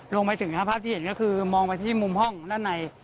ลงไปถึงนะครับภาพที่เห็นก็คือมองไปที่มุมห้องด้านใน